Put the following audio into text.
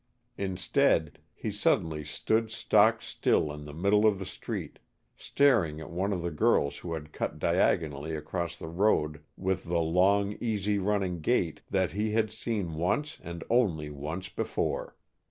Instead, he suddenly stood stock still in the middle of the street, staring at one of the girls who had cut diagonally across the road with the long, easy running gait that he had seen once and only once before.